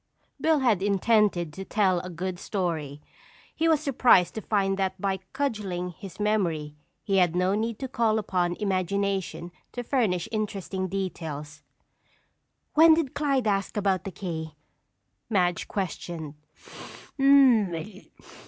Bill had intended to tell a good story. He was surprised to find that by cudgeling his memory he had no need to call upon imagination to furnish interesting details. "When did Clyde ask about the key?" Madge questioned.